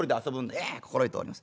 「ええ心得ております。